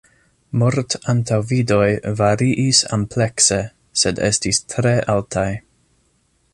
Mort-antaŭvidoj variis amplekse, sed estis tre altaj.